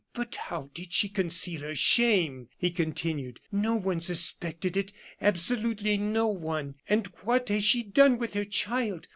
"But how did she conceal her shame?" he continued. "No one suspected it absolutely no one. And what has she done with her child?